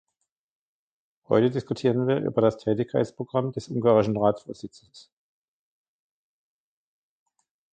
Heute diskutieren wir über das Tätigkeitsprogramm des ungarischen Ratsvorsitzes.